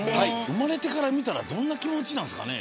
生まれてから見たらどんな気持ちなんですかね。